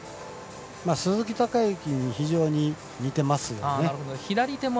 鈴木孝幸と非常に似てますよね。